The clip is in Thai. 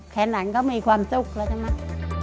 แค่นั้นก็มีความสุขแล้วใช่ไหม